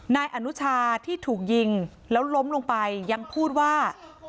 นายอนุชาที่ถูกยิงแล้วล้มลงไปยังพูดว่า